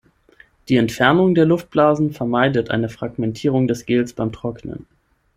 Die Entfernung der Luftblasen vermeidet eine Fragmentierung des Gels beim Trocknen.